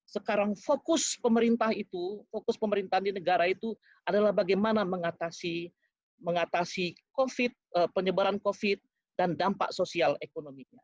sekarang fokus pemerintah itu fokus pemerintahan di negara itu adalah bagaimana mengatasi covid penyebaran covid dan dampak sosial ekonominya